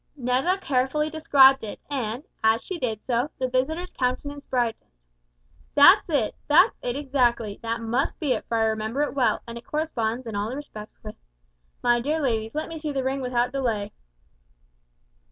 Netta carefully described it and, as she did so, the visitor's countenance brightened. "That's it; that's it exactly; that must be it for I remember it well, and it corresponds in all respects with my dear ladies, let me see the ring without delay."